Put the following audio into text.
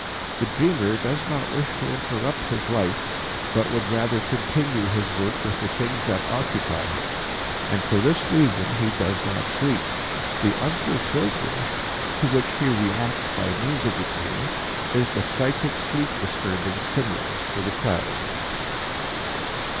The dreamer does not wish to interrupt his life, but would rather continue his work with the things that occupy him, and for this reason he does not sleep. The unfulfilled wish, to which he reacts by means of the dream, is the psychic sleep disturbing stimulus for the child.